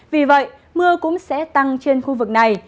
vì vậy mưa cũng sẽ tăng trên khu vực này